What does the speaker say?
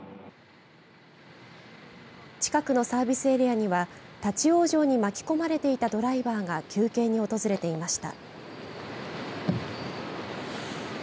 近くのサービスエリアには立往生に巻き込まれていたドライバーが休憩に訪れていました。